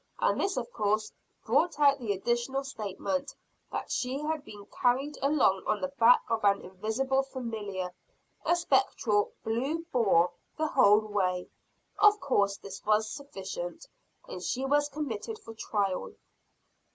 And this of course brought out the additional statement, that she had been carried along on the back of an invisible "familiar" a spectral blue boar the whole way. Of course this was sufficient, and she was committed for trial.